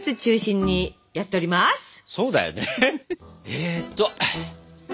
えっと。